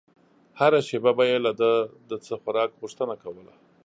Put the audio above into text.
هره شېبه به يې له ده د څه خوراک غوښتنه کوله.